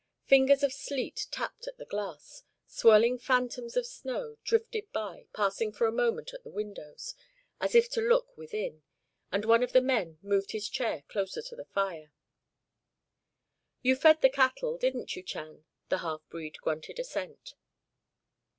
Fingers of sleet tapped at the glass, swirling phantoms of snow drifted by, pausing for a moment at the windows, as if to look within, and one of the men moved his chair closer to the fire. "You fed the cattle, didn't you, Chan?" The half breed grunted assent.